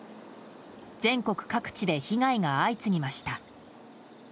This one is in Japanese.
全国各地で被害が相次ぎました。